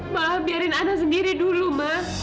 ma biarin ana sendiri dulu ma